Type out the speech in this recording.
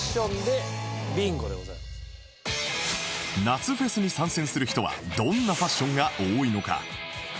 夏フェスに参戦する人はどんなファッションが多いのか？